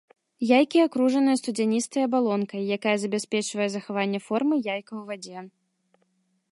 Яйкі акружаныя студзяністай абалонкай, якая забяспечвае захаванне формы яйка ў вадзе.